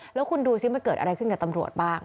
แล้วคุณดูสิมันเกิดอะไรขึ้นกับตำรวจบ้าง